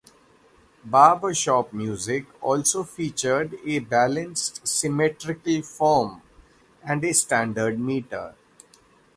Barbershop music also features a balanced, symmetrical form and a standard meter.